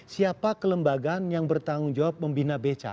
siapa kelembagaan yang bertanggung jawab membina beca